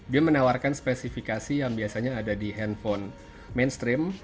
dia menawarkan spesifikasi yang biasanya ada di handphone mainstream